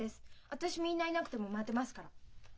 私みんないなくても待てますから。